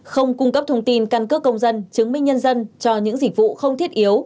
không cung cấp thông tin căn cước công dân chứng minh nhân dân cho những dịch vụ không thiết yếu